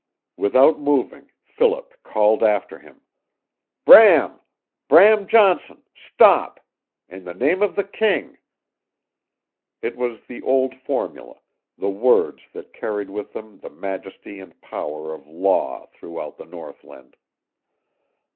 Without moving, Philip called after him: "Bram Bram Johnson stop! In the name of the King " It was the old formula, the words that carried with them the majesty and power of Law throughout the northland.